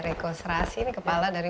reiko srasi ini kepala dari